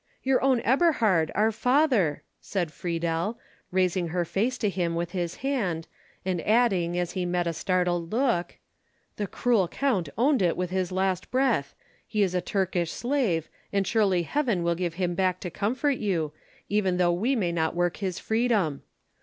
"Your own Eberhard, our father," said Friedel, raising her face to him with his hand, and adding, as he met a startled look, "The cruel count owned it with his last breath. He is a Turkish slave, and surely heaven will give him back to comfort you, even though we may not work his freedom!